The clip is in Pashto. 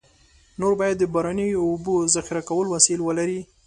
نور باید د باراني اوبو ذخیره کولو وسایل ولري.